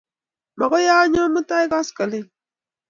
Makoy anyo mutai koskoling'